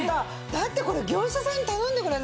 だってこれ業者さんに頼んでごらんなさい。